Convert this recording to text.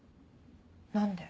何で？